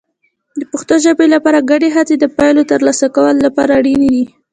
د پښتو ژبې لپاره ګډې هڅې د پایلو ترلاسه کولو لپاره اړین دي.